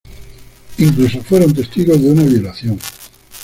Incluso fueron testigos de una violación.